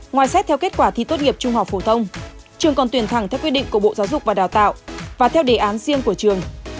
ngoài xét theo kết quả thi tốt nghiệp trung học phổ thông trường còn tuyển thẳng theo quy định của bộ giáo dục và đào tạo và theo đề án riêng của trường